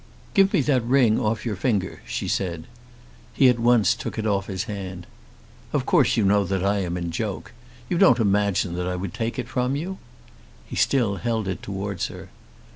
"Give me that ring off your finger," she said. He at once took it off his hand. "Of course you know I am in joke. You don't imagine that I would take it from you?" He still held it towards her.